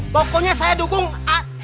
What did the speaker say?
pokoknya saya dukung ad